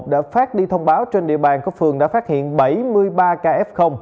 đã phát đi thông báo trên địa bàn có phường đã phát hiện bảy mươi ba ca f